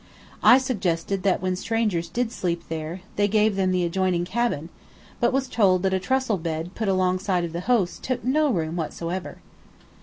I suggested that when strangers did sleep there they gave them the adjoining cabin; but was told that a trussel bed put alongside of the host's "took no room whatsoever."